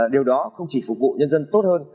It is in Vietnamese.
điều đó không chỉ phục vụ nhân dân tốt hơn